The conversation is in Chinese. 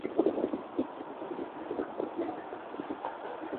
它也是广州城市形象的标志性建筑和旅游观光景点之一。